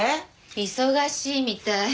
忙しいみたい。